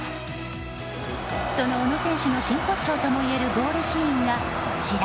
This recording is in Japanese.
その小野選手の真骨頂ともいえるゴールシーンがこちら。